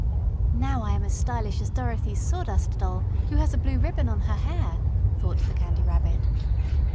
"Now I am as stylish as Dorothy's Sawdust Doll, who has a blue ribbon on her hair," thought the Candy Rabbit.